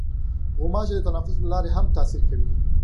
غوماشې د تنفس له لارې هم تاثیر کوي.